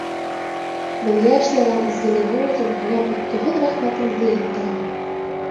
Беҙгә эшләгән изгелегең өсөн һиңә бөткөһөҙ рәхмәтемде еткерәм.